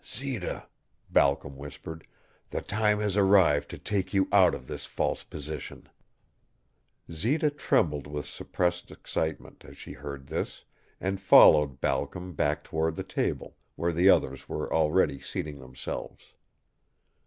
"Zita," Balcom whispered, "the time has arrived to take you out of this false position." Zita trembled with suppressed excitement as she heard this, and followed Balcom back toward the table, where the others were already seating themselves.